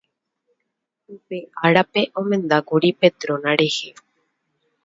upe árape omendákuri Petrona rehe